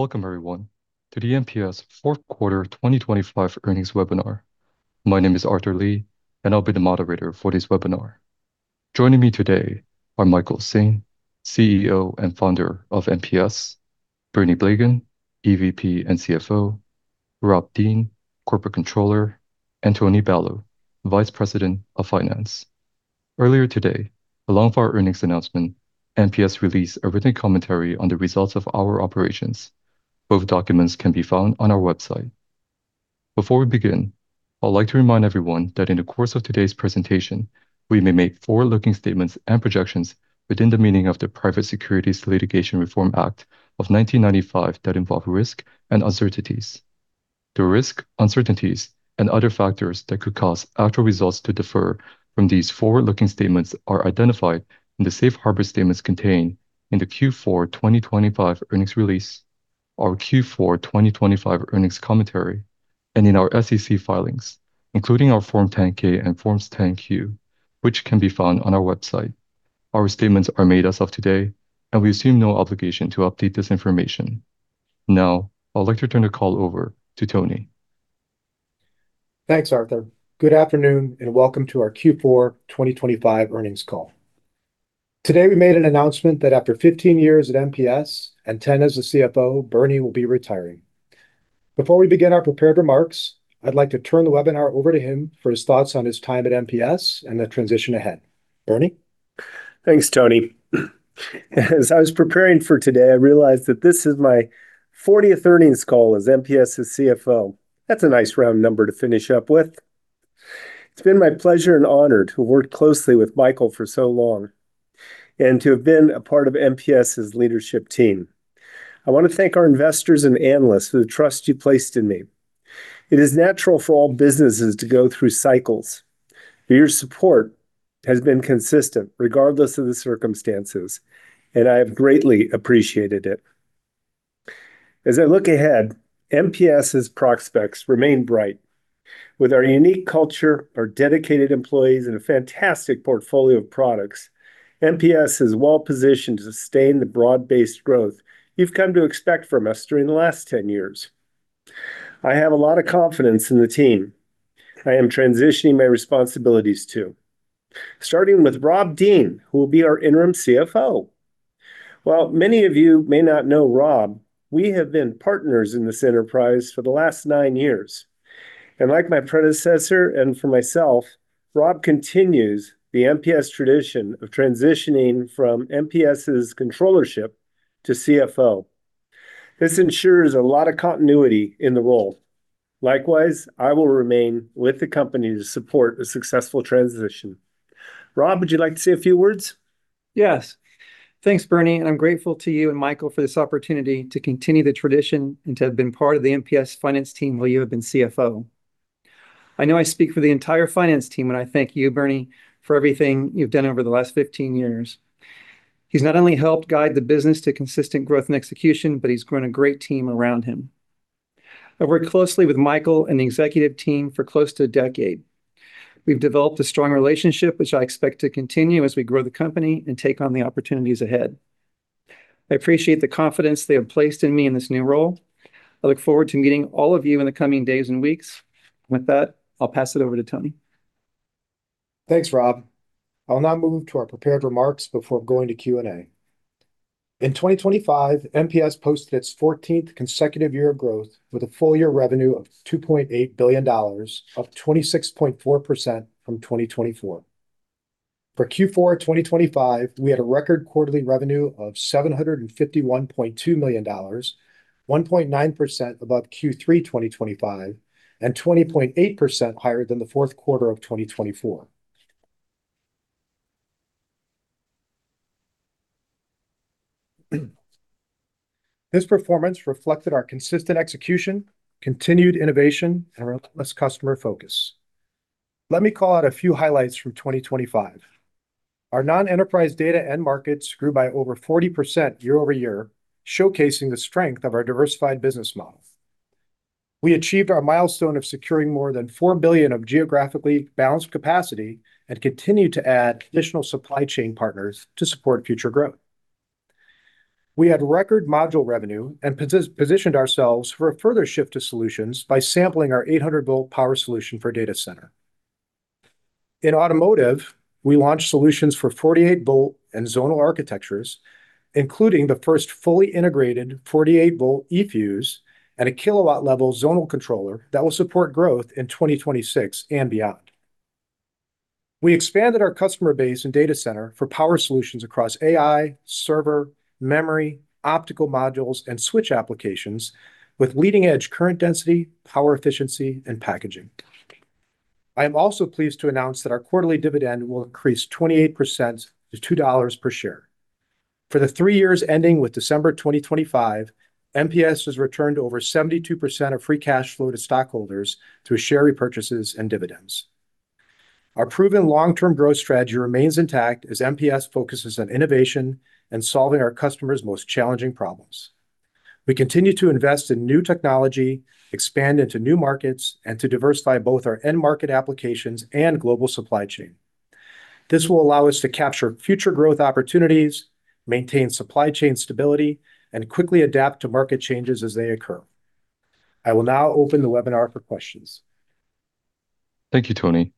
Welcome, everyone, to the MPS fourth quarter 2025 earnings webinar. My name is Arthur Lee, and I'll be the moderator for this webinar. Joining me today are Michael Hsing, CEO and founder of MPS, Bernie Blegen, EVP and CFO, Rob Dean, Corporate Controller, and Tony Balow, Vice President of Finance. Earlier today, along with our earnings announcement, MPS released a written commentary on the results of our operations. Both documents can be found on our website. Before we begin, I'd like to remind everyone that in the course of today's presentation, we may make forward-looking statements and projections within the meaning of the Private Securities Litigation Reform Act of 1995 that involve risk and uncertainties. The risk, uncertainties, and other factors that could cause actual results to differ from these forward-looking statements are identified in the safe harbor statements contained in the Q4 2025 earnings release, our Q4 2025 earnings commentary, and in our SEC filings, including our Form 10-K and Forms 10-Q, which can be found on our website. Our statements are made as of today, and we assume no obligation to update this information. Now, I'd like to turn the call over to Tony. Thanks, Arthur. Good afternoon, and welcome to our Q4 2025 earnings call. Today, we made an announcement that after 15 years at MPS and 10 as the CFO, Bernie will be retiring. Before we begin our prepared remarks, I'd like to turn the webinar over to him for his thoughts on his time at MPS and the transition ahead. Bernie? Thanks, Tony. As I was preparing for today, I realized that this is my fortieth earnings call as MPS's CFO. That's a nice round number to finish up with. It's been my pleasure and honor to work closely with Michael for so long and to have been a part of MPS's leadership team. I want to thank our investors and analysts for the trust you placed in me. It is natural for all businesses to go through cycles, but your support has been consistent regardless of the circumstances, and I have greatly appreciated it. As I look ahead, MPS's prospects remain bright. With our unique culture, our dedicated employees, and a fantastic portfolio of products, MPS is well-positioned to sustain the broad-based growth you've come to expect from us during the last 10 years. I have a lot of confidence in the team I am transitioning my responsibilities to, starting with Rob Dean, who will be our Interim CFO. While many of you may not know Rob, we have been partners in this enterprise for the last nine years. Like my predecessor and for myself, Rob continues the MPS tradition of transitioning from MPS's controllership to CFO. This ensures a lot of continuity in the role. Likewise, I will remain with the company to support a successful transition. Rob, would you like to say a few words? Yes. Thanks, Bernie, and I'm grateful to you and Michael for this opportunity to continue the tradition and to have been part of the MPS finance team while you have been CFO. I know I speak for the entire finance team when I thank you, Bernie, for everything you've done over the last 15 years. He's not only helped guide the business to consistent growth and execution, but he's grown a great team around him. I've worked closely with Michael and the executive team for close to a decade. We've developed a strong relationship, which I expect to continue as we grow the company and take on the opportunities ahead. I appreciate the confidence they have placed in me in this new role. I look forward to meeting all of you in the coming days and weeks. With that, I'll pass it over to Tony. Thanks, Rob. I'll now move to our prepared remarks before going to Q&A. In 2025, MPS posted its fourteenth consecutive year of growth with a full year revenue of $2.8 billion, up 26.4% from 2024. For Q4 2025, we had a record quarterly revenue of $751.2 million, 1.9% above Q3 2025, and 20.8% higher than the fourth quarter of 2024. This performance reflected our consistent execution, continued innovation, and our customer focus. Let me call out a few highlights from 2025. Our non-enterprise data end markets grew by over 40% year-over-year, showcasing the strength of our diversified business model. We achieved our milestone of securing more than $4 billion of geographically balanced capacity and continued to add additional supply chain partners to support future growth. We had record module revenue and positioned ourselves for a further shift to solutions by sampling our 800-volt power solution for data center. In automotive, we launched solutions for 48-volt and zonal architectures, including the first fully integrated 48-volt eFuse and a kilowatt-level zonal controller that will support growth in 2026 and beyond. We expanded our customer base and data center for power solutions across AI, server, memory, optical modules, and switch applications with leading-edge current density, power efficiency, and packaging. I am also pleased to announce that our quarterly dividend will increase 28% to $2 per share. For the three years ending with December 2025, MPS has returned over 72% of free cash flow to stockholders through share repurchases and dividends. Our proven long-term growth strategy remains intact as MPS focuses on innovation and solving our customers' most challenging problems. We continue to invest in new technology, expand into new markets, and to diversify both our end-market applications and global supply chain. This will allow us to capture future growth opportunities, maintain supply chain stability, and quickly adapt to market changes as they occur. I will now open the webinar for questions. Thank you, Tony.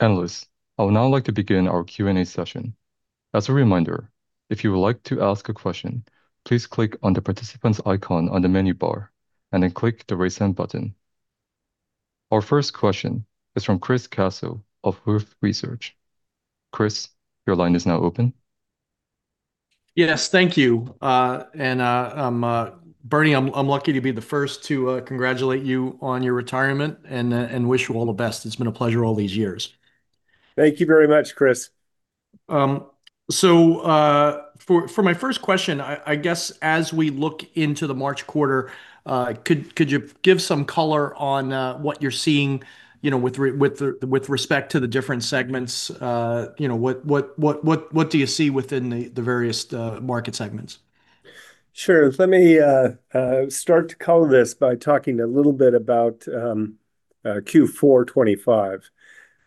Analysts, I would now like to begin our Q&A session. As a reminder, if you would like to ask a question, please click on the participant's icon on the menu bar and then click the Raise Hand button. Our first question is from Chris Caso of Wolfe Research. Chris, your line is now open. Yes, thank you. And, Bernie, I'm lucky to be the first to congratulate you on your retirement and wish you all the best. It's been a pleasure all these years. Thank you very much, Chris. So, for my first question, I guess as we look into the March quarter, could you give some color on what you're seeing, you know, with respect to the different segments? You know, what do you see within the various market segments? Sure. Let me start to color this by talking a little bit about Q4 2025.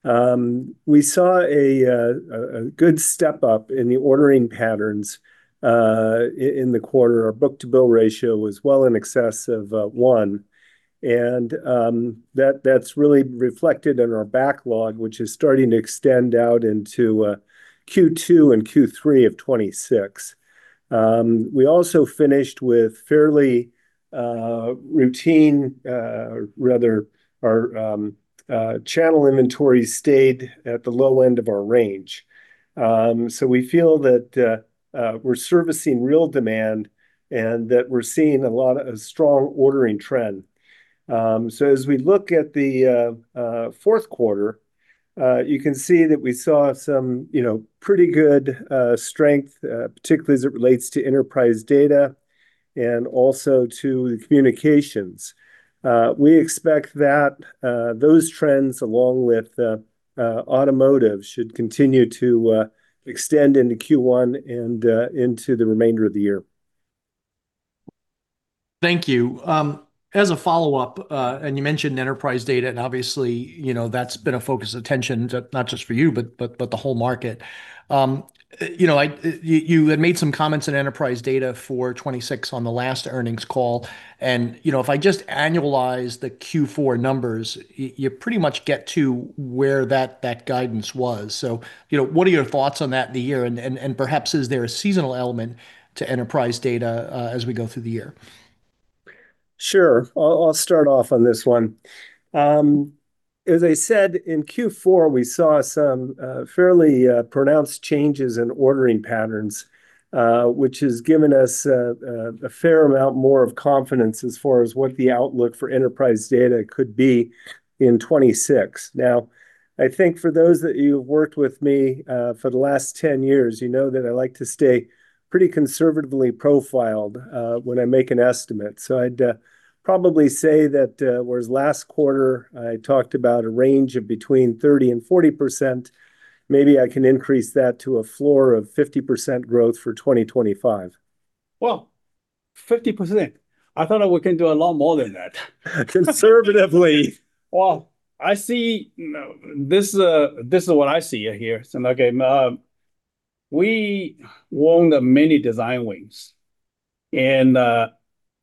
We saw a good step up in the ordering patterns in the quarter. Our book-to-bill ratio was well in excess of one, and that's really reflected in our backlog, which is starting to extend out into Q2 and Q3 of 2026. We also finished with fairly routine rather... Our channel inventory stayed at the low end of our range. So we feel that we're servicing real demand, and that we're seeing a lot of strong ordering trend. So as we look at the fourth quarter, you can see that we saw some, you know, pretty good strength, particularly as it relates to enterprise data and also to the communications. We expect that those trends, along with automotive, should continue to extend into Q1 and into the remainder of the year. Thank you. As a follow-up, and you mentioned enterprise data, and obviously, you know, that's been a focus of attention to not just for you, but the whole market. You know, you had made some comments on enterprise data for 2026 on the last earnings call, and, you know, if I just annualize the Q4 numbers, you pretty much get to where that guidance was. So, you know, what are your thoughts on that in the year, and perhaps is there a seasonal element to enterprise data as we go through the year? Sure. I'll, I'll start off on this one. As I said, in Q4, we saw some fairly pronounced changes in ordering patterns, which has given us a fair amount more of confidence as far as what the outlook for enterprise data could be in 2026. Now, I think for those that you've worked with me for the last 10 years, you know that I like to stay pretty conservatively profiled when I make an estimate. So I'd probably say that, whereas last quarter I talked about a range of between 30% and 40%, maybe I can increase that to a floor of 50% growth for 2025. Wow, 50%! I thought that we can do a lot more than that. Conservatively. Well, I see... No, this, this is what I see here. So, okay, we won the many design wins, and,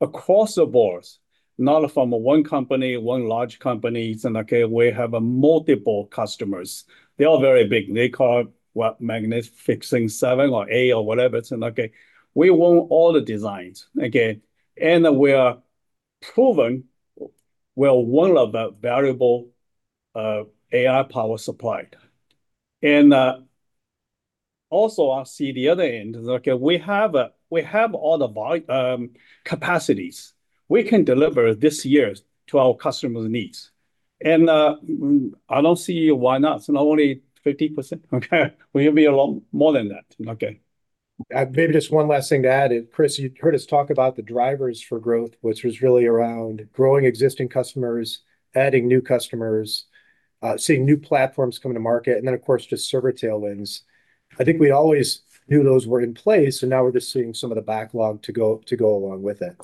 across the boards, not from one company, one large company, it's okay, we have multiple customers. They're all very big. They call, what, Magnificent Seven or eight or whatever. It's okay. We want all the designs, okay? And we are proven, we're one of the viable AI power supply. And, also, I see the other end, okay, we have, we have all the capacities we can deliver this year to our customers' needs. And, I don't see why not. So not only 50%, okay? We'll be a lot more than that. Okay. Maybe just one last thing to add, and Chris, you heard us talk about the drivers for growth, which was really around growing existing customers, adding new customers, seeing new platforms coming to market, and then, of course, just server tailwinds. I think we always knew those were in place, and now we're just seeing some of the backlog to go, to go along with it.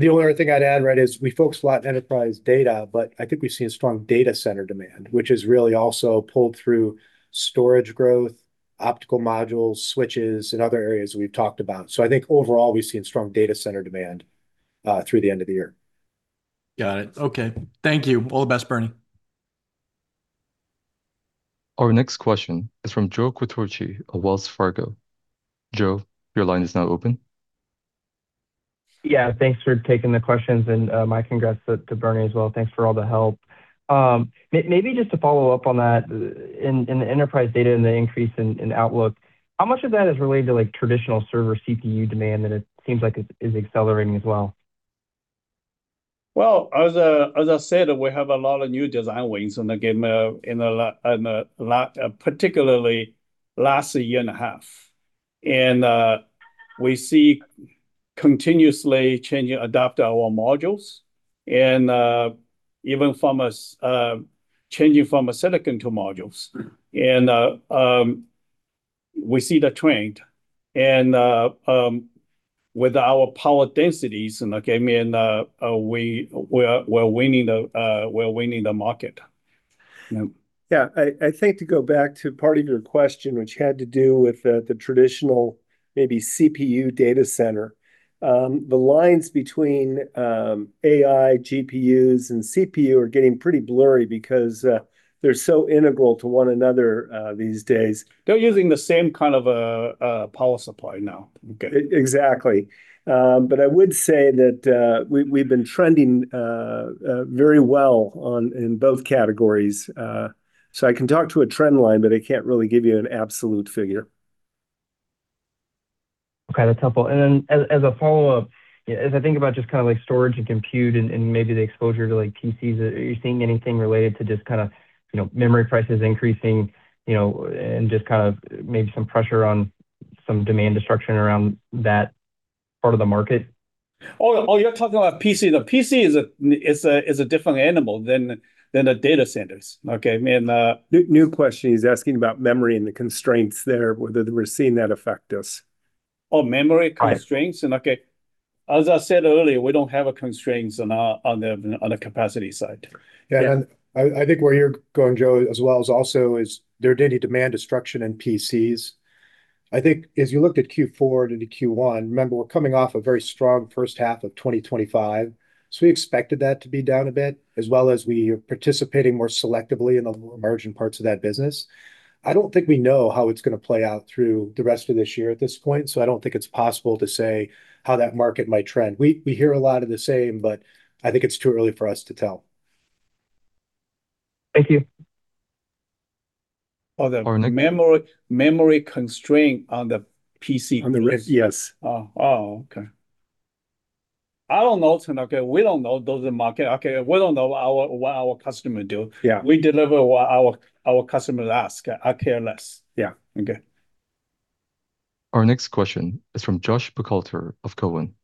The only other thing I'd add, right, is we focus a lot on enterprise data, but I think we've seen strong data center demand, which has really also pulled through storage growth, optical modules, switches, and other areas we've talked about. So I think overall, we've seen strong data center demand through the end of the year. Got it. Okay. Thank you. All the best, Bernie. Our next question is from Joe Quatrochi of Wells Fargo. Joe, your line is now open. Yeah, thanks for taking the questions, and my congrats to Bernie as well. Thanks for all the help. Maybe just to follow up on that, in the enterprise data and the increase in outlook, how much of that is related to, like, traditional server CPU demand that it seems like is accelerating as well? Well, as I said, we have a lot of new design wins, and again, in the particularly last year and a half. And, we see continuously changing, adapt our modules and,... we see the trend, and with our power densities, and okay, I mean, we're winning the market. Yeah. Yeah, I think to go back to part of your question, which had to do with the traditional maybe CPU data center, the lines between AI, GPUs, and CPU are getting pretty blurry because they're so integral to one another these days. They're using the same kind of power supply now. Okay. Exactly. But I would say that we've been trending very well in both categories. So I can talk to a trend line, but I can't really give you an absolute figure. Okay, that's helpful. And then as a follow-up, as I think about just kind of, like, storage and compute and, and maybe the exposure to, like, PCs, are you seeing anything related to just kind of, you know, memory prices increasing, you know, and just kind of maybe some pressure on some demand destruction around that part of the market? Oh, you're talking about PC. The PC is a different animal than the data centers. Okay? I mean. New, new question. He's asking about memory and the constraints there, whether we're seeing that affect us. Oh, memory constraints? Right. Okay, as I said earlier, we don't have any constraints on the capacity side. Yeah, and I think where you're going, Joe, as well as also is there did any demand destruction in PCs? I think as you looked at Q4 into Q1, remember, we're coming off a very strong first half of 2025, so we expected that to be down a bit, as well as we are participating more selectively in the emerging parts of that business. I don't think we know how it's gonna play out through the rest of this year at this point, so I don't think it's possible to say how that market might trend. We hear a lot of the same, but I think it's too early for us to tell. Thank you. Oh, the- Our next-... memory, memory constraint on the PC. On the PC, yes. Oh. Oh, okay. I don't know. So okay, we don't know those in market, okay? We don't know our, what our customer do. Yeah. We deliver what our customer ask. I care less. Yeah. Okay. Our next question is from Josh Buchalter of Cowen.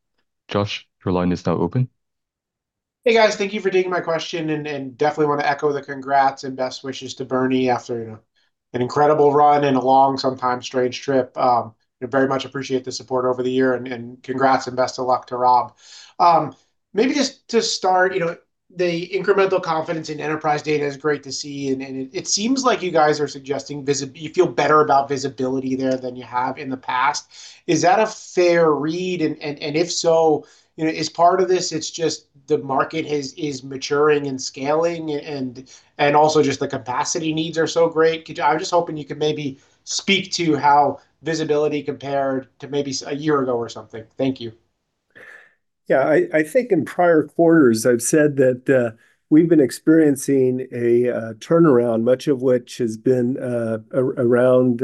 Josh, your line is now open. Hey, guys. Thank you for taking my question, and definitely want to echo the congrats and best wishes to Bernie after, you know, an incredible run and a long, sometimes strange trip. I very much appreciate the support over the year, and congrats and best of luck to Rob. Maybe just to start, you know, the incremental confidence in enterprise data is great to see, and it seems like you guys are suggesting you feel better about visibility there than you have in the past. Is that a fair read? And if so, you know, is part of this, it's just the market is maturing and scaling, and also just the capacity needs are so great? Could you... I'm just hoping you could maybe speak to how visibility compared to maybe a year ago or something. Thank you. Yeah, I think in prior quarters I've said that we've been experiencing a turnaround, much of which has been around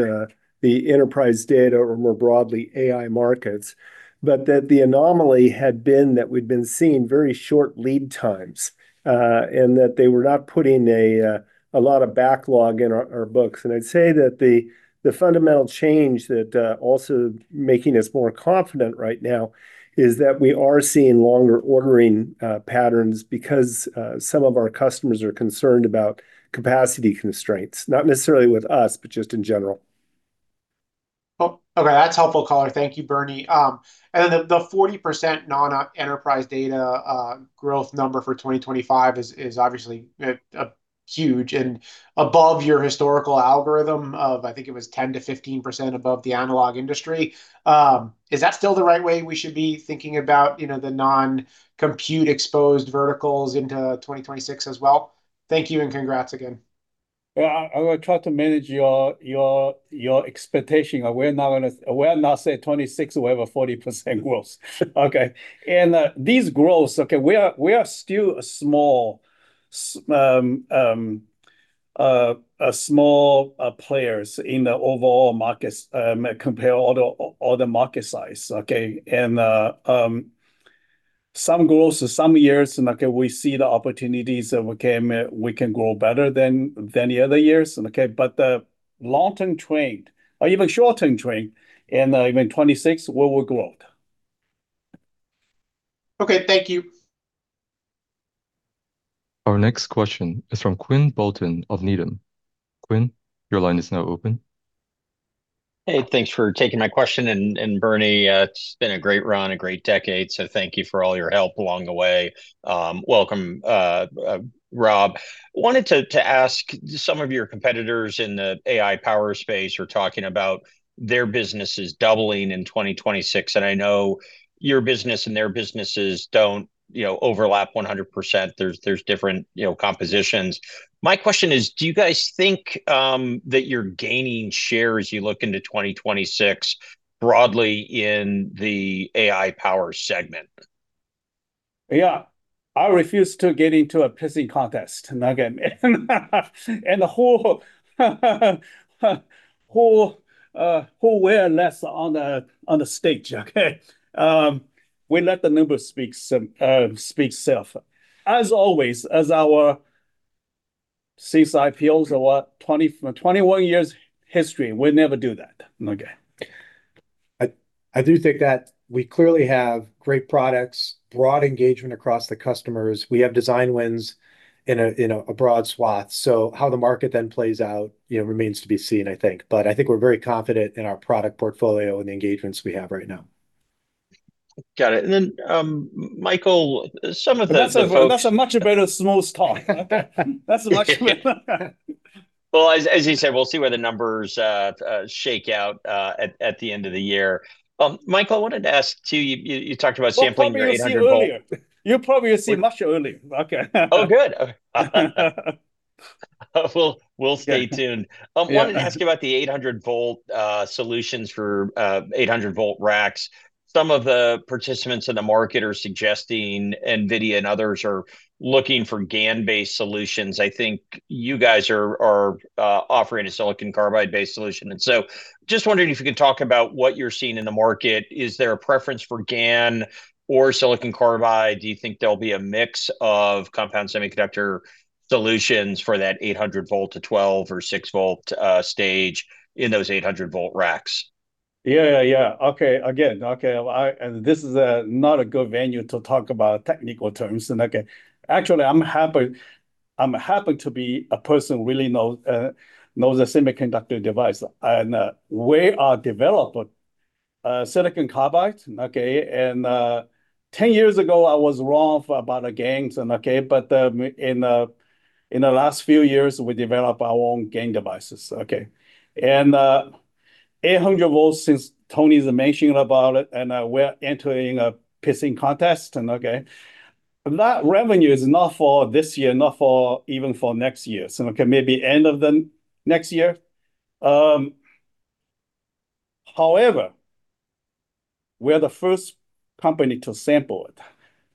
the enterprise data or more broadly, AI markets, but that the anomaly had been that we'd been seeing very short lead times, and that they were not putting a lot of backlog in our books. And I'd say that the fundamental change that also making us more confident right now is that we are seeing longer ordering patterns because some of our customers are concerned about capacity constraints, not necessarily with us, but just in general. Oh, okay, that's helpful, caller. Thank you, Bernie. And then the 40% non-enterprise data growth number for 2025 is obviously huge and above your historical algorithm of, I think it was 10%-15% above the analog industry. Is that still the right way we should be thinking about, you know, the non-compute exposed verticals into 2026 as well? Thank you, and congrats again. Yeah, I will try to manage your expectation. We're not gonna say 2026, we'll have a 40% growth. Okay, and these growths, okay, we are still a small players in the overall markets, compare all the market size, okay? And some growth, so some years, and, okay, we see the opportunities, and okay, we can grow better than the other years, and okay, but the long-term trend or even short-term trend, in even 2026, we will grow. Okay, thank you. Our next question is from Quinn Bolton of Needham. Quinn, your line is now open. Hey, thanks for taking my question, and Bernie, it's been a great run, a great decade, so thank you for all your help along the way. Welcome, Rob. Wanted to ask, some of your competitors in the AI power space are talking about their businesses doubling in 2026, and I know your business and their businesses don't, you know, overlap 100%. There's different, you know, compositions. My question is, do you guys think that you're gaining share as you look into 2026 broadly in the AI power segment? Yeah, I refuse to get into a pissing contest, okay? And the whole we are less on the stage, okay? We let the numbers speak some, speak itself. As always, as our CEO, so what, 20-21 years history, we never do that, okay? I do think that we clearly have great products, broad engagement across the customers. We have design wins in a broad swath. So how the market then plays out, you know, remains to be seen, I think. But I think we're very confident in our product portfolio and the engagements we have right now. Got it. And then, Michael, some of the- That's a, that's a much better small talk. That's a much better- Well, as you said, we'll see where the numbers shake out at the end of the year. Michael, I wanted to ask, too, you talked about sampling the 800-volt- You'll probably see earlier. You'll probably see much earlier. Okay. Oh, good. Well, we'll stay tuned. Yeah. Wanted to ask you about the 800-volt solutions for 800-volt racks. Some of the participants in the market are suggesting NVIDIA and others are looking for GaN-based solutions. I think you guys are offering a silicon carbide-based solution. And so just wondering if you could talk about what you're seeing in the market. Is there a preference for GaN or silicon carbide? Do you think there'll be a mix of compound semiconductor solutions for that 800-volt to 12- or 6-volt stage in those 800-volt racks? Yeah, yeah, yeah. Okay, again, okay. And this is not a good venue to talk about technical terms, and okay. Actually, I'm happy, I'm happy to be a person who really knows the semiconductor device, and we are developing silicon carbide, okay? And, 10 years ago, I was wrong about the GaNs, okay, but in the last few years, we developed our own GaN devices, okay? And, 800 volts, since Tony is mentioning about it, and we're entering a pissing contest, and okay. That revenue is not for this year, not even for next year. So, okay, maybe end of the next year. However, we're the first company to sample it.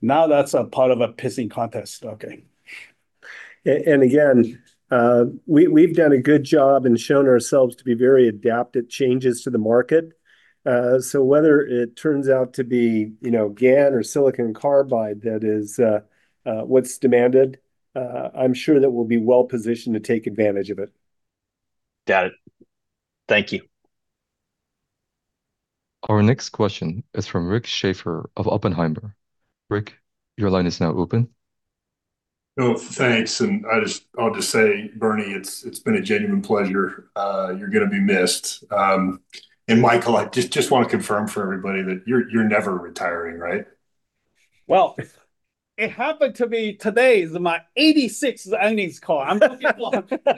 Now, that's a part of a pissing contest. Okay. Again, we've done a good job and shown ourselves to be very adept at changes to the market. So whether it turns out to be, you know, GaN or silicon carbide, that is what's demanded, I'm sure that we'll be well-positioned to take advantage of it. Got it. Thank you. Our next question is from Rick Schafer of Oppenheimer. Rick, your line is now open. Oh, thanks, and I'll just say, Bernie, it's been a genuine pleasure. You're gonna be missed. And Michael, I just want to confirm for everybody that you're never retiring, right? Well, it happened to be today is my 86th earnings call. I'm looking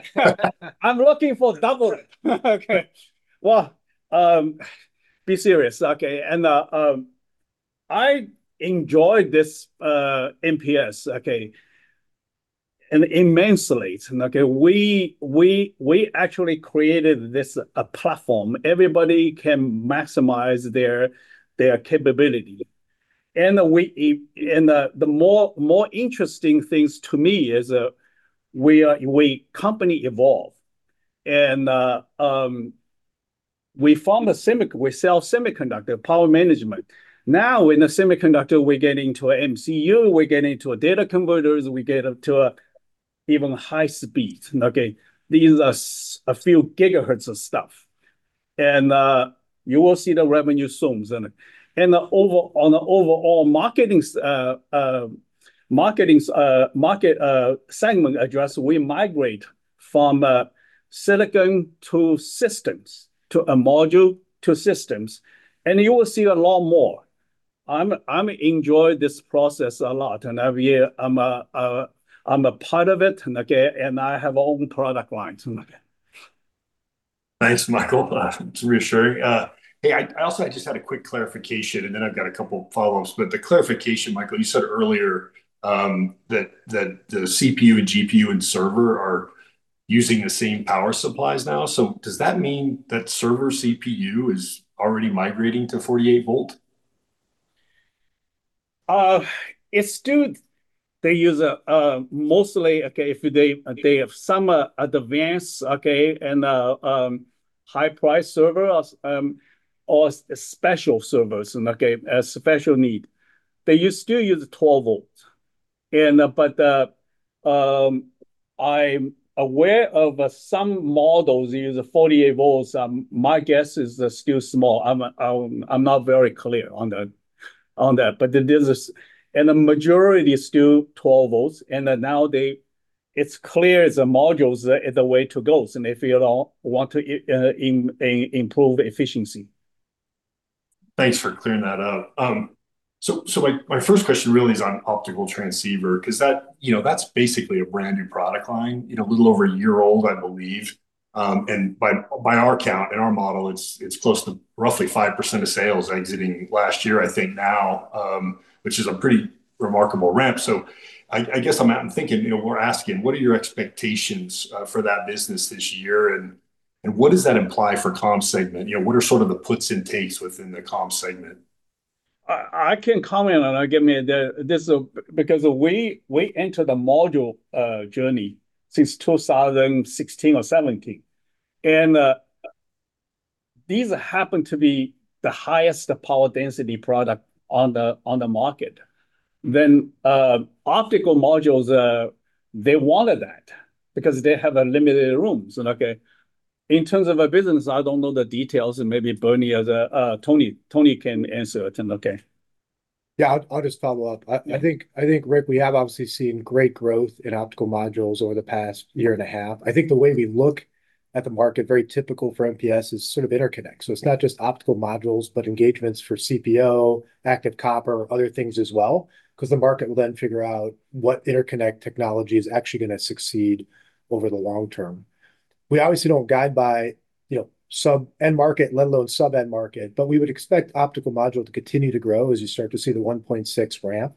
for... I'm looking for double it. Okay. Well, be serious, okay? And, I enjoyed this, MPS, okay, and immensely. Okay, we actually created this, a platform. Everybody can maximize their capability, and we, and, the more interesting things to me is, we company evolve, and, we form a semi we sell semiconductor, power management. Now, in the semiconductor, we get into MCU, we get into data converters, we get into even high speed, okay? These are a few gigahertz of stuff, and, you will see the revenue zooms in it. And on the overall marketing segment address, we migrate from silicon to systems, to a module to systems, and you will see a lot more. I enjoy this process a lot, and every year I'm a part of it, and okay, and I have own product lines. Okay. Thanks, Michael. It's reassuring. Hey, I also just had a quick clarification, and then I've got a couple follow-ups. But the clarification, Michael, you said earlier, that the CPU and GPU and server are using the same power supplies now. So does that mean that server CPU is already migrating to 48-volt? It's still. They use mostly. If they have some advanced and high-price server or special servers and a special need. They still use 12V. But I'm aware of some models use 48V. My guess is they're still small. I'm not very clear on that, but there's a. The majority is still 12V, and then now it's clear the modules are the way to go, and if you want to improve efficiency. Thanks for clearing that up. So my first question really is on optical transceiver, 'cause that, you know, that's basically a brand-new product line, you know, a little over a year old, I believe. And by our count, in our model, it's close to roughly 5% of sales exiting last year, I think now, which is a pretty remarkable ramp. So I guess I'm thinking, you know, we're asking, what are your expectations for that business this year, and what does that imply for comms segment? You know, what are sort of the puts and takes within the comms segment? I can comment on, again, this because we entered the module journey since 2016 or 2017, and these happen to be the highest power density product on the market. Then, optical modules, they wanted that because they have limited rooms, and okay. In terms of our business, I don't know the details, and maybe Bernie as Tony, Tony can answer it, and okay. Yeah, I'll just follow up. I think, Rick, we have obviously seen great growth in optical modules over the past year and a half. I think the way we look at the market, very typical for MPS, is sort of interconnect. So it's not just optical modules, but engagements for CPO, active copper, other things as well, 'cause the market will then figure out what interconnect technology is actually gonna succeed over the long term. We obviously don't guide by, you know, sub-end market, let alone sub-end market, but we would expect optical module to continue to grow as you start to see the 1.6 ramp.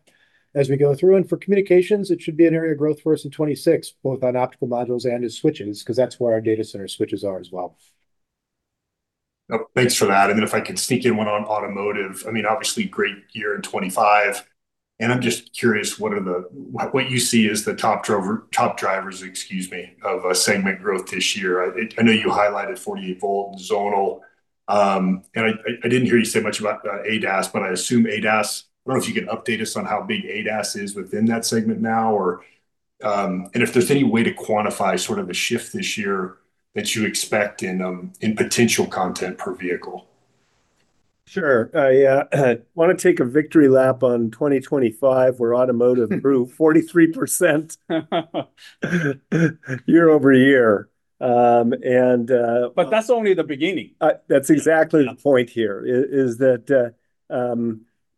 As we go through and for communications, it should be an area of growth for us in 2026, both on optical modules and in switches, 'cause that's where our data center switches are as well. Oh, thanks for that. Then if I could sneak in one on automotive. I mean, obviously, great year in 2025, and I'm just curious, what are the—what you see as the top driver—top drivers, excuse me, of a segment growth this year? I know you highlighted 48-volt zonal, and I didn't hear you say much about ADAS, but I assume ADAS. I don't know if you can update us on how big ADAS is within that segment now, or, and if there's any way to quantify sort of a shift this year that you expect in potential content per vehicle. Sure. I wanna take a victory lap on 2025, where automotive grew 43% year-over-year. But that's only the beginning. That's exactly the point here- Yeah... is that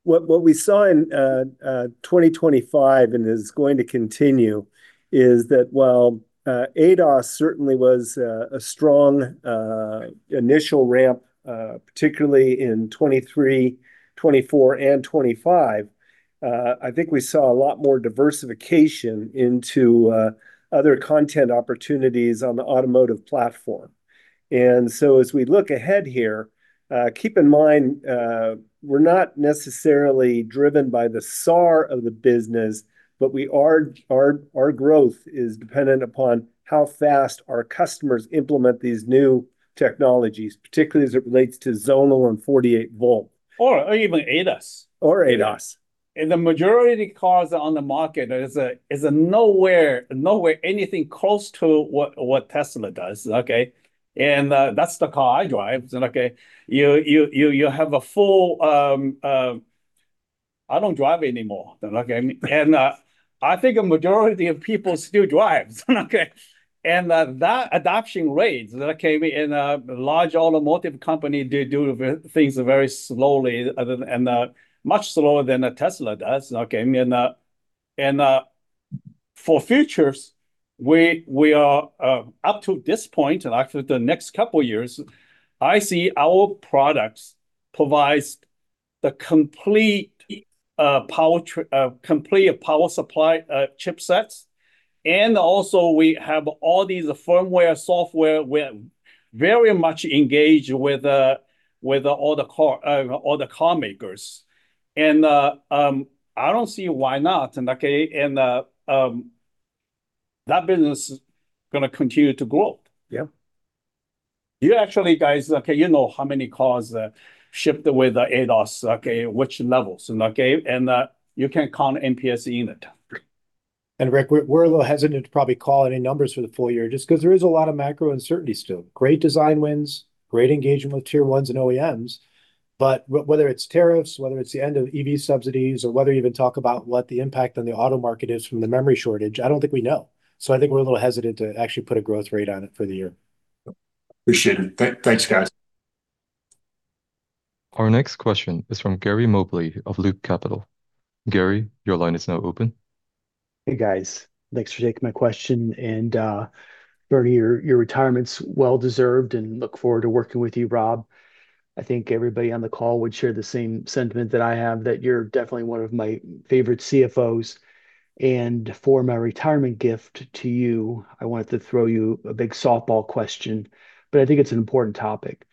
what we saw in 2025 and is going to continue is that while ADAS certainly was a strong initial ramp, particularly in 2023, 2024, and 2025, I think we saw a lot more diversification into other content opportunities on the automotive platform. And so, as we look ahead here, keep in mind, we're not necessarily driven by the SAR of the business, but we are, our growth is dependent upon how fast our customers implement these new technologies, particularly as it relates to zonal and 48-volt. Or even ADAS. Or ADAS. The majority cars on the market, there's nowhere near anything close to what Tesla does, okay? That's the car I drive, okay. You have a full... I don't drive anymore, okay? I think a majority of people still drive, okay? That adoption rates that came in a large automotive company, they do things very slowly, other than, and much slower than a Tesla does, okay? For futures, we are up to this point, and actually the next couple of years, I see our products provides the complete power supply chipsets. Also we have all these firmware, software, we're very much engaged with all the car makers. I don't see why not, and okay, and, that business is gonna continue to grow. Yeah. You actually, guys, okay, you know how many cars shipped with the ADAS, okay, which levels, and okay, and, you can count MPS in it. And Rick, we're a little hesitant to probably call any numbers for the full year just 'cause there is a lot of macro uncertainty still. Great design wins, great engagement with Tier 1s and OEMs, but whether it's tariffs, whether it's the end of EV subsidies, or whether you even talk about what the impact on the auto market is from the memory shortage, I don't think we know. So I think we're a little hesitant to actually put a growth rate on it for the year. Appreciate it. Thanks, guys. Our next question is from Gary Mobley of Loop Capital. Gary, your line is now open. Hey, guys. Thanks for taking my question. And, Bernie, your retirement's well-deserved, and look forward to working with you, Rob. I think everybody on the call would share the same sentiment that I have, that you're definitely one of my favorite CFOs. And for my retirement gift to you, I wanted to throw you a big softball question, but I think it's an important topic.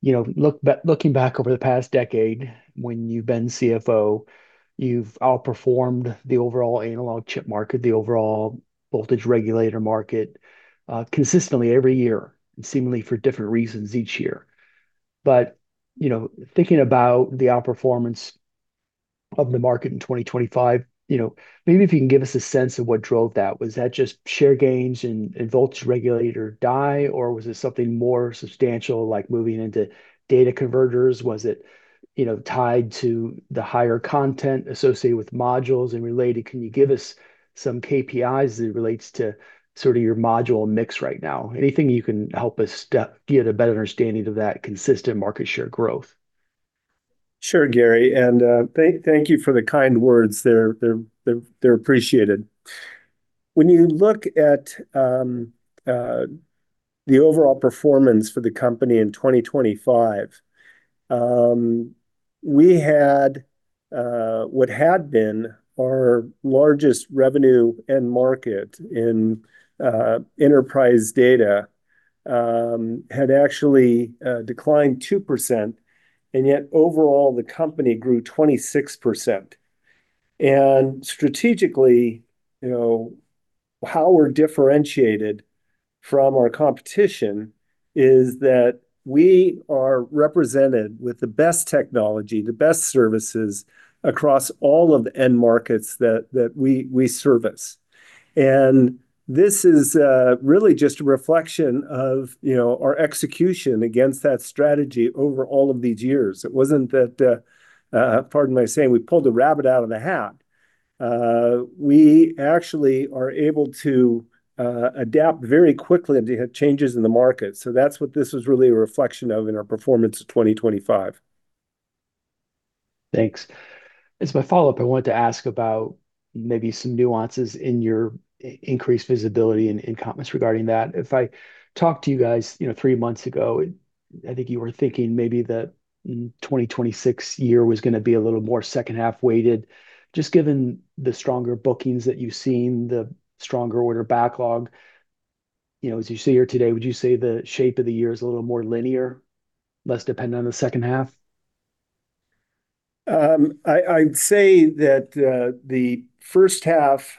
You know, looking back over the past decade when you've been CFO, you've outperformed the overall analog chip market, the overall voltage regulator market, consistently every year, and seemingly for different reasons each year. But, you know, thinking about the outperformance of the market in 2025, you know, maybe if you can give us a sense of what drove that. Was that just share gains and voltage regulator die, or was it something more substantial, like moving into data converters? Was it, you know, tied to the higher content associated with modules? And related, can you give us some KPIs as it relates to sort of your module mix right now? Anything you can help us get a better understanding of that consistent market share growth? Sure, Gary, and thank you for the kind words. They're appreciated. When you look at the overall performance for the company in 2025, we had what had been our largest revenue end market in enterprise data had actually declined 2%, and yet overall, the company grew 26%. And strategically, you know, how we're differentiated from our competition is that we are represented with the best technology, the best services across all of the end markets that we service. And this is really just a reflection of, you know, our execution against that strategy over all of these years. It wasn't that, pardon my saying, we pulled a rabbit out of a hat. We actually are able to adapt very quickly to changes in the market, so that's what this is really a reflection of in our performance of 2025. Thanks. As my follow-up, I wanted to ask about maybe some nuances in your increased visibility and comments regarding that. If I talked to you guys, you know, three months ago, I think you were thinking maybe the 2026 year was gonna be a little more second half weighted. Just given the stronger bookings that you've seen, the stronger order backlog, you know, as you sit here today, would you say the shape of the year is a little more linear, less dependent on the second half? I'd say that the first half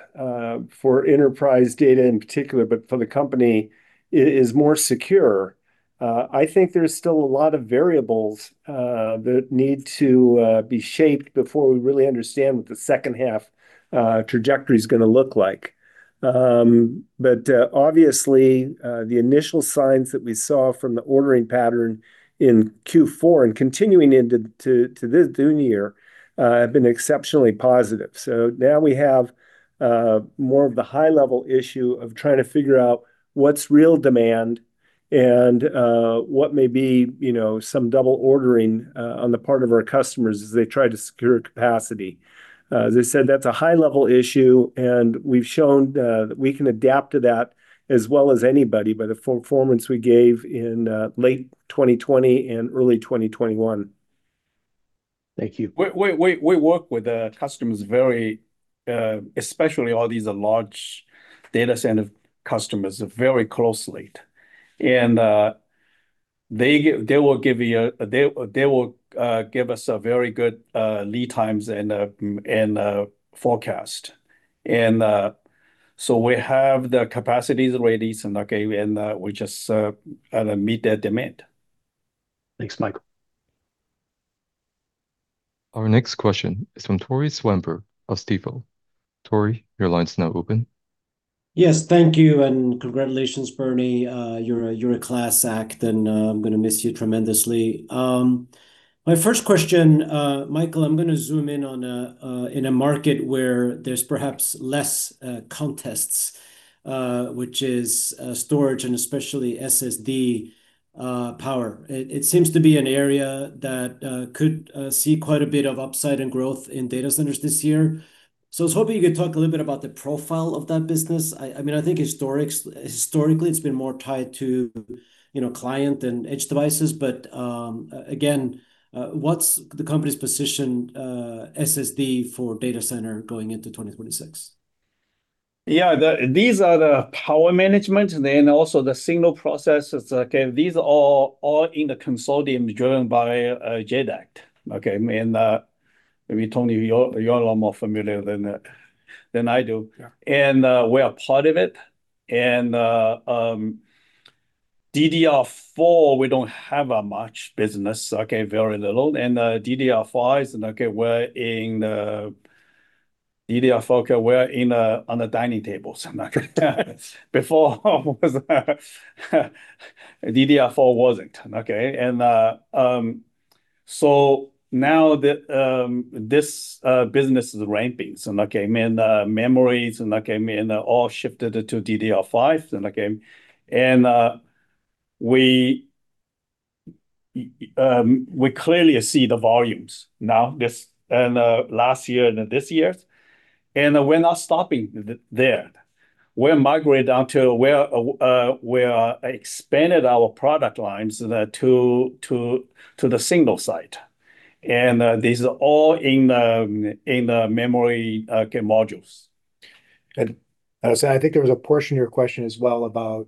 for enterprise data in particular, but for the company, is more secure. I think there's still a lot of variables that need to be shaped before we really understand what the second half trajectory's gonna look like. But obviously, the initial signs that we saw from the ordering pattern in Q4 and continuing into this new year have been exceptionally positive. So now we have more of the high-level issue of trying to figure out what's real demand and what may be, you know, some double ordering on the part of our customers as they try to secure capacity. As I said, that's a high-level issue, and we've shown that we can adapt to that as well as anybody by the performance we gave in late 2020 and early 2021. Thank you. We work with the customers very, especially all these large data center customers, very closely. And, they will give us a very good lead times and forecast. And, so we have the capacities ready, and okay, and, we just meet that demand. Thanks, Michael. Our next question is from Tore Svanberg of Stifel. Tore, your line's now open. Yes, thank you, and congratulations, Bernie. You're a, you're a class act, and, I'm gonna miss you tremendously. My first question, Michael, I'm gonna zoom in on a, in a market where there's perhaps less contest, which is, storage and especially SSD power. It seems to be an area that could see quite a bit of upside and growth in data centers this year. So I was hoping you could talk a little bit about the profile of that business. I mean, I think historically it's been more tied to, you know, client and edge devices, but, again, what's the company's position, SSD for data center going into 2026? Yeah, these are the power management and then also the signal processes, okay? These are all, all in the consortium driven by JEDEC, okay? And, maybe, Tony, you're a lot more familiar than I do. Yeah. We are part of it, and, DDR4, we don't have a much business, okay, very little. DDR5 is okay, we're in DDR4, we're in on the dining tables now. Before, DDR4 wasn't, okay? So now the, this, business is ramping, so, okay, and, memories and, okay, and all shifted to DDR5, and, okay, and, we clearly see the volumes now, this, and, last year and this year, and we're not stopping there. We're migrate down to where we expanded our product lines to the single site, and, these are all in the, in the memory, okay, modules. So I think there was a portion of your question as well about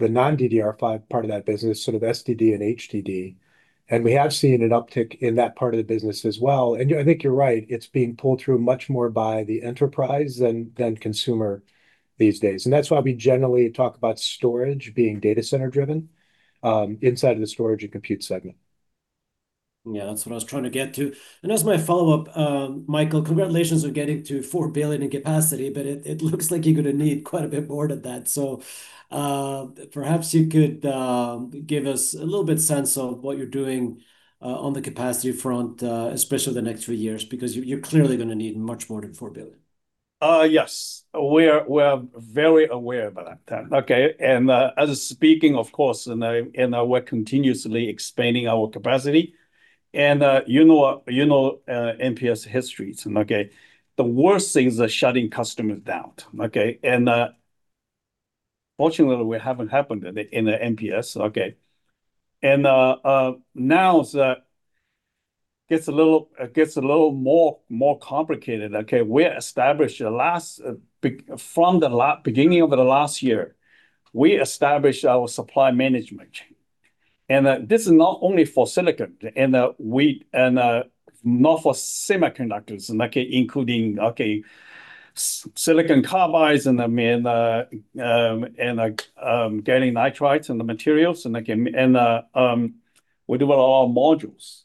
the non-DDR5 part of that business, sort of SSD and HDD, and we have seen an uptick in that part of the business as well. I think you're right, it's being pulled through much more by the enterprise than, than consumer these days, and that's why we generally talk about storage being data center driven, inside of the storage and compute segment. Yeah, that's what I was trying to get to. And as my follow-up, Michael, congratulations on getting to $4 billion in capacity, but it looks like you're gonna need quite a bit more than that. So, perhaps you could give us a little bit sense of what you're doing on the capacity front, especially the next few years, because you're clearly gonna need much more than $4 billion. Yes, we are, we are very aware about that, okay? And, as speaking, of course, and, we're continuously expanding our capacity, and, you know, you know, MPS history, and okay, the worst thing is, shutting customers down, okay? And, fortunately, we haven't happened in the, in the MPS, okay? And, now the- gets a little more complicated, okay? We established from the beginning of the last year, we established our supply management chain, and this is not only for silicon, and we, not for semiconductors, like including, okay, silicon carbides, and then, gallium nitrides and the materials, and like, we do all modules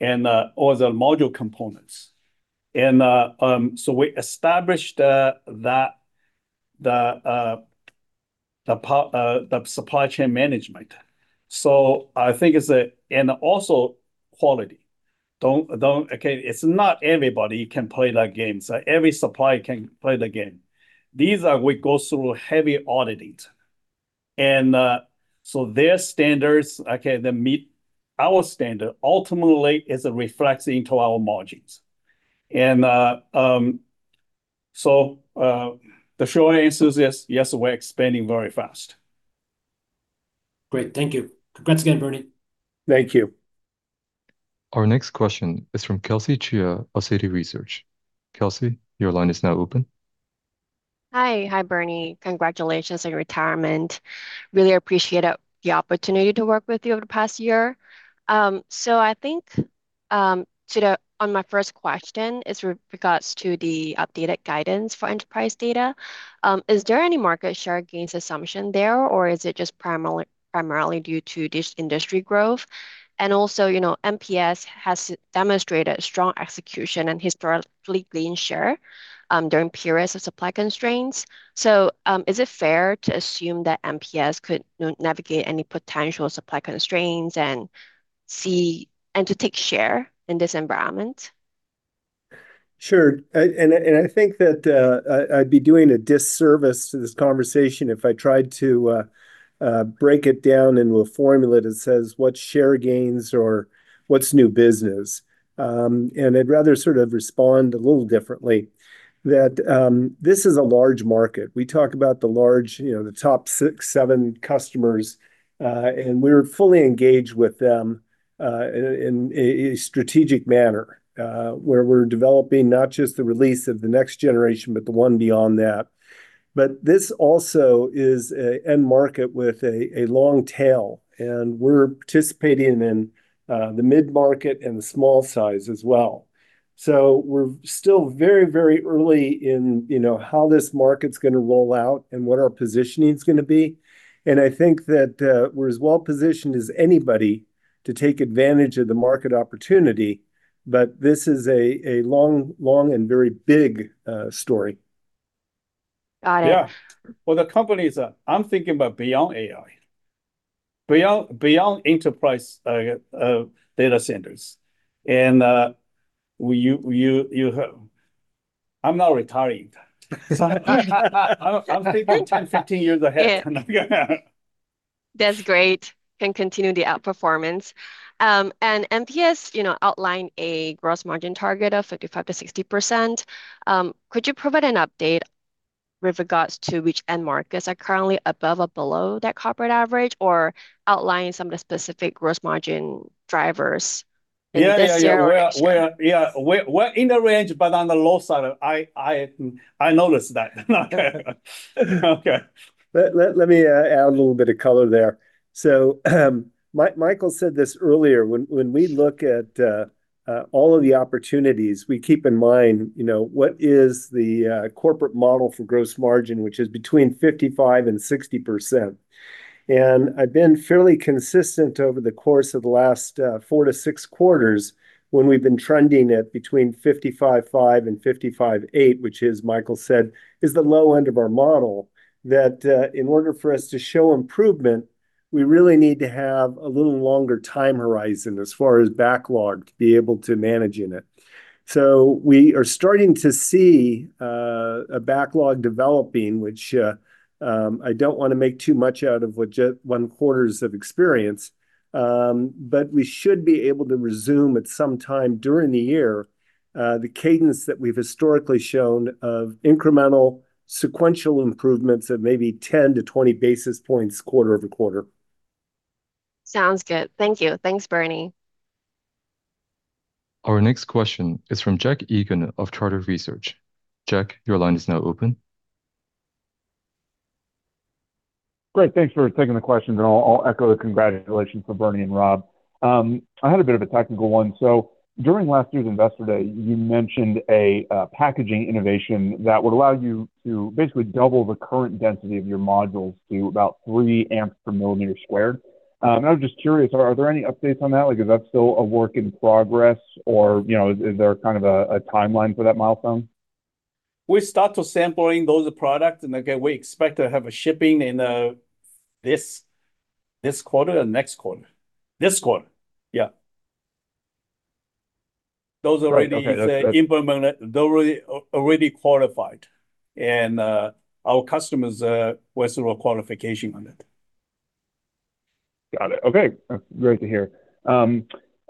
and all the module components. So we established the supply chain management. So I think it's and also quality. Don't. Okay, it's not everybody can play that game, so every supplier can play the game. We go through heavy auditing, and so their standards, okay, they meet our standard. Ultimately, it reflects into our margins. So the short answer is yes. Yes, we're expanding very fast. Great, thank you. Congrats again, Bernie. Thank you. Our next question is from Kelsey Chia of Citi Research. Kelsey, your line is now open. Hi. Hi, Bernie. Congratulations on your retirement. Really appreciate the opportunity to work with you over the past year. So, I think, my first question is with regards to the updated guidance for enterprise data. Is there any market share gains assumption there, or is it just primarily due to this industry growth? And also, you know, MPS has demonstrated strong execution and historically gain share during periods of supply constraints. So, is it fair to assume that MPS could navigate any potential supply constraints and to take share in this environment? Sure. And I think that I'd be doing a disservice to this conversation if I tried to break it down into a formula that says what share gains or what's new business. And I'd rather sort of respond a little differently, that this is a large market. We talk about the large, you know, the top six, seven customers, and we're fully engaged with them in a strategic manner, where we're developing not just the release of the next generation, but the one beyond that. But this also is an end market with a long tail, and we're participating in the mid-market and the small size as well. So we're still very, very early in, you know, how this market's gonna roll out and what our positioning is gonna be, and I think that, we're as well positioned as anybody to take advantage of the market opportunity, but this is a, a long, long and very big, story. Got it. Yeah. Well, the company is, I'm thinking about beyond AI, beyond, beyond enterprise, data centers. I'm not retiring, so I'm thinking 10, 15 years ahead. That's great. Can continue the outperformance. And MPS, you know, outlined a gross margin target of 55%-60%. Could you provide an update with regards to which end markets are currently above or below that corporate average, or outline some of the specific gross margin drivers in this- Yeah, yeah, yeah. We're in the range, but on the low side. I noticed that. Okay. Let me add a little bit of color there. So, Michael said this earlier. When we look at all of the opportunities, we keep in mind, you know, what is the corporate model for gross margin, which is between 55% and 60%. And I've been fairly consistent over the course of the last 4-6 quarters, when we've been trending at between 55.5% and 55.8%, which, Michael said, is the low end of our model, that in order for us to show improvement, we really need to have a little longer time horizon as far as backlog to be able to manage in it. So we are starting to see a backlog developing, which, I don't want to make too much out of what just one quarter's of experience, but we should be able to resume at some time during the year, the cadence that we've historically shown of incremental sequential improvements of maybe 10-20 basis points, quarter-over-quarter. Sounds good. Thank you. Thanks, Bernie. Our next question is from Jack Egan of Charter Equity Research. Jack, your line is now open. Great. Thanks for taking the question, and I'll echo the congratulations for Bernie and Rob. I had a bit of a technical one. So during last year's Investor Day, you mentioned a packaging innovation that would allow you to basically double the current density of your modules to about 3 amps per millimeter squared. And I was just curious, are there any updates on that? Like, is that still a work in progress, or, you know, is there kind of a timeline for that milestone? We start to sampling those products, and again, we expect to have a shipping in, this, this quarter or next quarter? This quarter. Yeah. Those already- Right. Okay, great.... implemented, they're already, already qualified, and our customers went through a qualification on it. Got it. Okay. That's great to hear.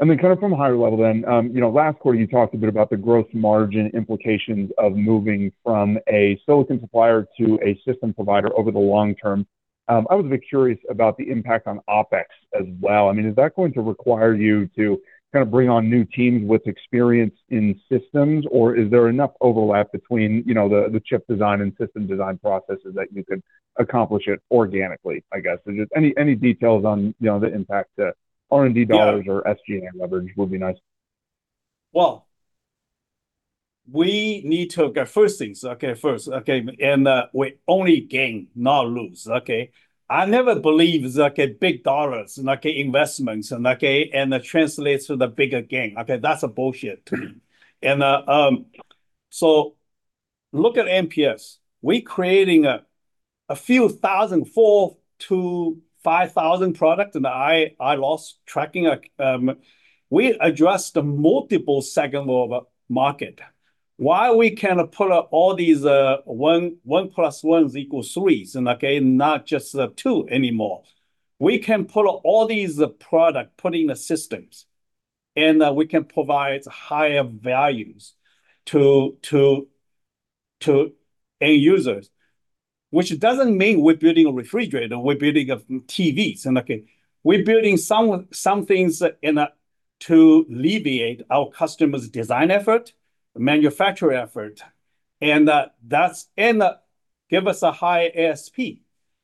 And then kind of from a higher level then, you know, last quarter, you talked a bit about the growth margin implications of moving from a silicon supplier to a system provider over the long term. I was a bit curious about the impact on OpEx as well. I mean, is that going to require you to kind of bring on new teams with experience in systems, or is there enough overlap between, you know, the chip design and system design processes that you could accomplish it organically, I guess? So just any details on, you know, the impact to R&D dollars- Yeah... or SG&A leverage would be nice.... Well, we need to get first things, okay, first, okay? And, we only gain, not lose, okay? I never believe, like, big dollars and, like, investments and, okay, and that translates to the bigger gain, okay? That's bullshit to me. And, so look at MPS. We're creating a few thousand, 4-5 thousand products, and I lost track. We addressed the multiple segments of market. Why we can pull up all these 1 + 1 = 3s, and okay, not just 2 anymore. We can pull all these products, put in the systems, and we can provide higher values to end users, which doesn't mean we're building a refrigerator, we're building TVs, and, okay, we're building some things in order to alleviate our customers' design effort, manufacturing effort, and that's... Give us a high ASP.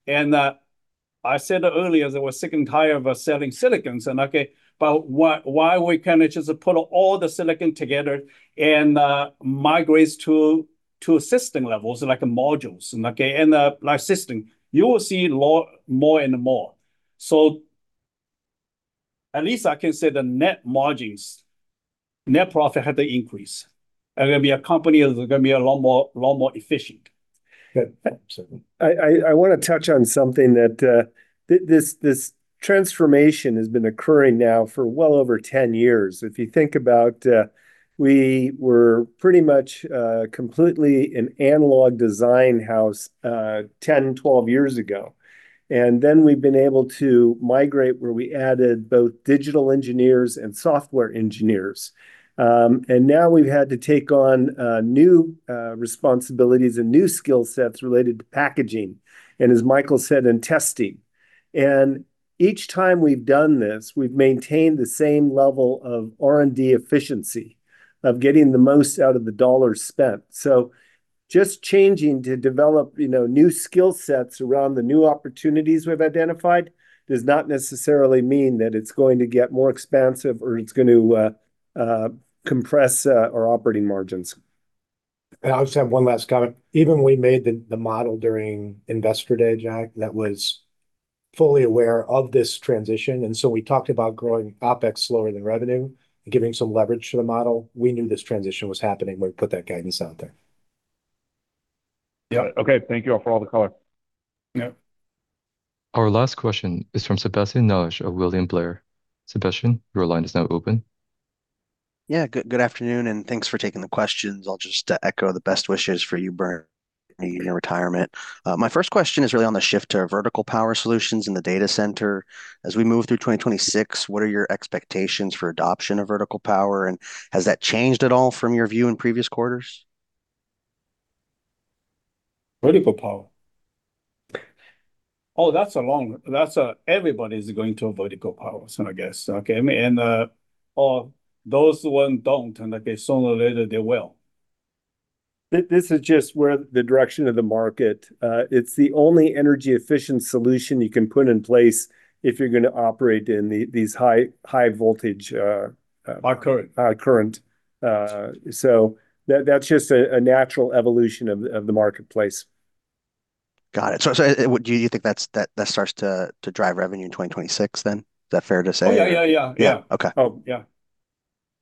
I said earlier that we're sick and tired of selling silicons and, okay, but why, why we can just put all the silicon together and migrates to system levels, like modules, okay? Like system, you will see more and more. So at least I can say the net margins, net profit had to increase, and gonna be a company that's gonna be a lot more, lot more efficient. Good. So I want to touch on something that this transformation has been occurring now for well over 10 years. If you think about, we were pretty much completely an analog design house 10, 12 years ago, and then we've been able to migrate where we added both digital engineers and software engineers. And now we've had to take on new responsibilities and new skill sets related to packaging, and as Michael said, and testing. And each time we've done this, we've maintained the same level of R&D efficiency, of getting the most out of the dollars spent. So just changing to develop, you know, new skill sets around the new opportunities we've identified, does not necessarily mean that it's going to get more expensive or it's going to compress our operating margins. And I'll just have one last comment. Even we made the model during Investor Day, Jack, that was fully aware of this transition, and so we talked about growing OpEx slower than revenue and giving some leverage to the model. We knew this transition was happening when we put that guidance out there. Yeah. Okay. Thank you all for all the color. Yeah. Our last question is from Sebastien Naji of William Blair. Sebastien, your line is now open. Yeah. Good, good afternoon, and thanks for taking the questions. I'll just echo the best wishes for you, Bernie, in your retirement. My first question is really on the shift to vertical power solutions in the data center. As we move through 2026, what are your expectations for adoption of vertical power, and has that changed at all from your view in previous quarters? Vertical power? That's everybody's going to a vertical power, so I guess, okay. I mean, or those one don't, and okay, sooner or later they will. This is just where the direction of the market. It's the only energy-efficient solution you can put in place if you're gonna operate in these high, high voltage. High current... High current. So that's just a natural evolution of the marketplace. Got it. So, do you think that starts to drive revenue in 2026 then? Is that fair to say? Oh, yeah, yeah, yeah. Yeah. Okay. Oh, yeah.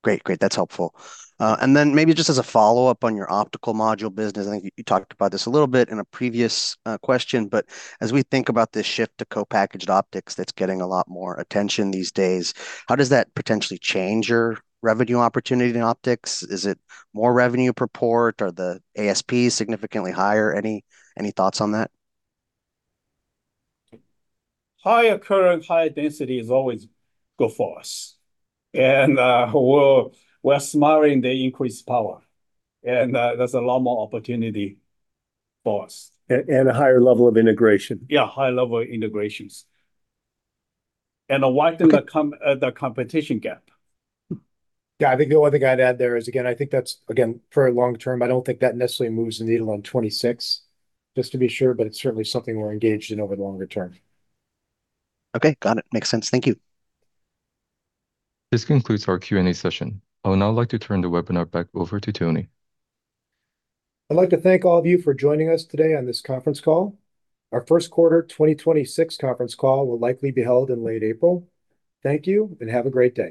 Great. Great, that's helpful. And then maybe just as a follow-up on your optical module business, I think you, you talked about this a little bit in a previous question, but as we think about this shift to co-packaged optics, that's getting a lot more attention these days, how does that potentially change your revenue opportunity in optics? Is it more revenue per port? Are the ASP significantly higher? Any, any thoughts on that? Higher current, higher density is always good for us, and we're smiling. They increase power, and there's a lot more opportunity for us. And a higher level of integration. Yeah, higher level integrations, and widen the competition gap. Yeah, I think the only thing I'd add there is, again, I think that's, again, for long term. I don't think that necessarily moves the needle on 2026, just to be sure, but it's certainly something we're engaged in over the longer term. Okay, got it. Makes sense. Thank you. This concludes our Q&A session. I would now like to turn the webinar back over to Tony. I'd like to thank all of you for joining us today on this conference call. Our first quarter 2026 conference call will likely be held in late April. Thank you, and have a great day.